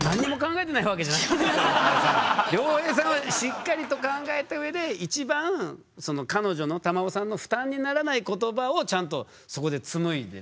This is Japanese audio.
だから良平さんはしっかりと考えたうえで一番彼女の瑶生さんの負担にならない言葉をちゃんとそこで紡いで。